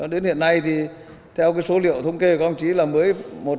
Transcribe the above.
đến hiện nay thì theo cái số liệu thông kê của ông chí là mới một chín mươi năm